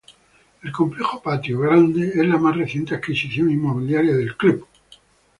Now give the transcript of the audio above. El Complejo Patio Grande es la más reciente adquisición inmobiliaria del club.